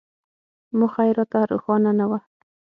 موخه یې راته روښانه نه وه.